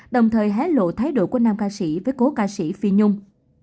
đồng thời hé lộ thái độ của nam ca sĩ với cố ca sĩ phi nhung